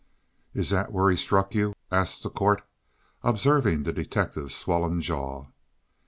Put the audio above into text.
"Is that where he struck you?" asked the Court, observing the detective's swollen jaw.